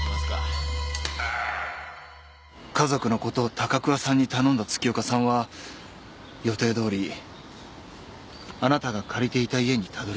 家族のことを高桑さんに頼んだ月岡さんは予定どおりあなたが借りていた家にたどりついた。